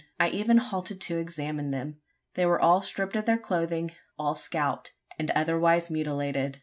I even halted to examine them. They were all stripped of their clothing all scalped, and otherwise mutilated.